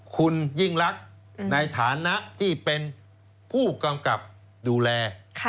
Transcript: คุณยิ่งรักในฐานะที่เป็นผู้กำกับดูแล